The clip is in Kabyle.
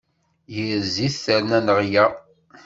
Yir zzit, terna leɣla.